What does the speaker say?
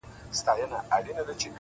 پر بای مي لود خپل سر; دین و ایمان مبارک;